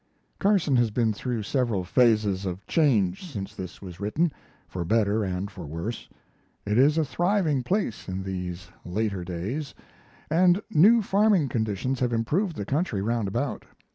Carson has been through several phases of change since this was written for better and for worse. It is a thriving place in these later days, and new farming conditions have improved the country roundabout.